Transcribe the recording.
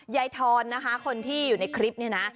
ยายทรอนาคารคนที่ในคลิปนี้นะ